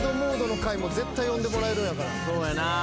そうやな。